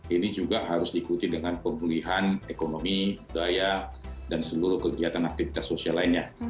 ini juga harus diikuti dengan pemulihan ekonomi budaya dan seluruh kegiatan aktivitas sosial lainnya